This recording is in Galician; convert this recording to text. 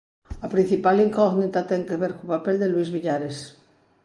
A principal incógnita ten que ver co papel de Luís Villares.